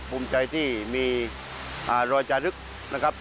ภูมิใจที่มีรอยจารึกนะครับ